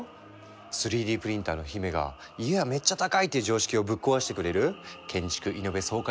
３Ｄプリンターの姫が家はめっちゃ高いっていう常識をぶっ壊してくれる建築イノベ爽快